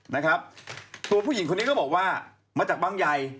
นะครับตัวผู้หญิงคนนี้ก็บอกว่ามาจากบางใหญ่